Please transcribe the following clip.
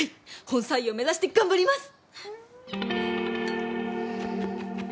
本採用目指して頑張ります！